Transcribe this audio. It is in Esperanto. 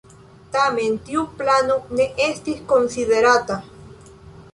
Tamen tiu plano ne estis konsiderata.